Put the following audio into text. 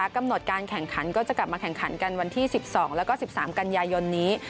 กำหนดการแข่งขันก็จะกลับมาแข่งขันกันวันที่๑๒แล้วก็๑๓กันยายนนี้